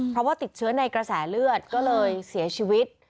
เพราะว่าติดเชื้อในกระแสเลือดก็เลยเสียชีวิต